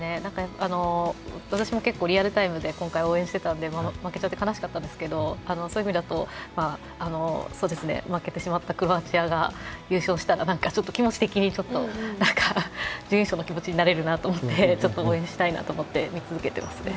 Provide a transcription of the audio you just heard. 私も結構リアルタイムで応援していたので負けちゃって悲しかったんですけどそういう意味だと、負けてしまったクロアチアが優勝したらちょっと気持ち的に準優勝な気持ちになれるかなと思ってちょっと応援したいなと思って見続けていますね。